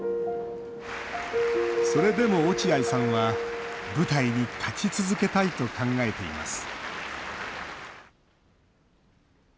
それでも落合さんは舞台に立ち続けたいと考えています